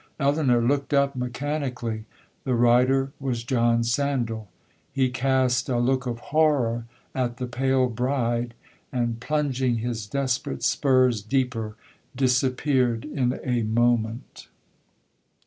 Elinor looked up mechanically,—the rider was John Sandal,—he cast a look of horror at the pale bride, and plunging his desperate spurs deeper, disappeared in a moment.